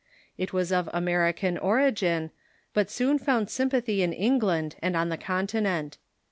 It was of American origin, but soon found sympathy in England and on the Continent.